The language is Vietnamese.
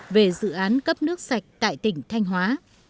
về dự án cấp nước sạch tại tỉnh thanh hóa